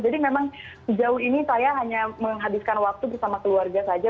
jadi memang sejauh ini saya hanya menghabiskan waktu bersama keluarga saja